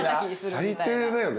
最低だよね。